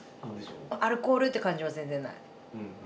アルコールって感じは全然ない。